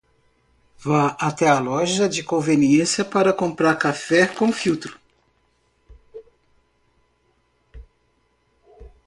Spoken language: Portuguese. Vá até a loja de conveniência para comprar café com filtro